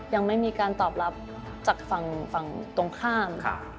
ยังไม่มีการตอบรับจากฝั่งตรงข้าม